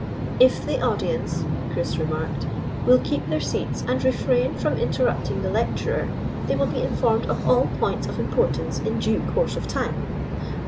"If the audience," Chris remarked, "will keep their seats and refrain from interrupting the lecturer, they will be informed of all points of importance in due course of time."